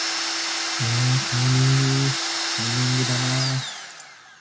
えータイミングー、タイミングだなー